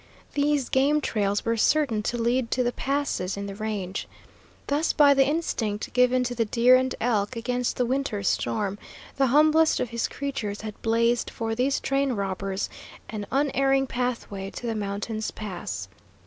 These game trails were certain to lead to the passes in the range. Thus, by the instinct given to the deer and elk against the winter's storm, the humblest of His creatures had blazed for these train robbers an unerring pathway to the mountain's pass.